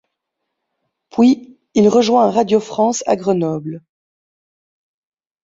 Puis, il rejoint à Radio France à Grenoble.